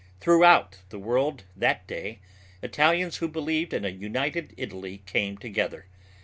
Throughout the world that day Italians who believed in a United Italy came together.